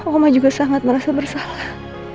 oma juga sangat merasa bersalah